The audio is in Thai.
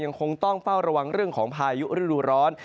ยังคงต้องเฝ้าระวังเรื่องของพายุฤดูร้อน